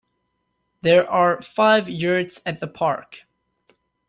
There are five yurts at the park.